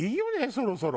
そろそろ。